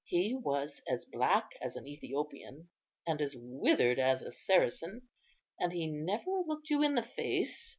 He was as black as an Ethiopian, and as withered as a Saracen, and he never looked you in the face.